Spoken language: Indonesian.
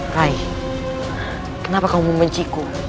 rai kenapa kamu membenciku